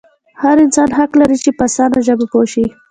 هر انسان حق لري چې په اسانه ژبه پوه شي.